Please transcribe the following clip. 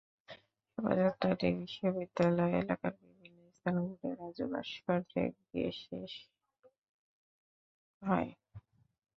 শোভাযাত্রাটি বিশ্ববিদ্যালয় এলাকার বিভিন্ন স্থান ঘুরে রাজু ভাস্কর্যে গিয়ে শেষ হয়।